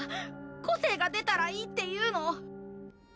個性が出たらいいっていうの？